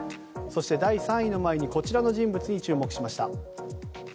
そして、第３位の前にこちらの人物に注目しました。